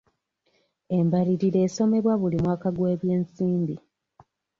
Embalirira esomebwa buli mwaka gw'ebyensimbi.